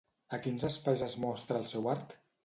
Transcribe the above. A quins espais es mostra el seu art?